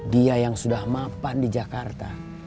dia yang sudah mapan di jakarta